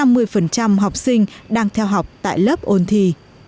miễn phí thì cũng chỉ có năm mươi học sinh đang theo học tại lớp ôn thi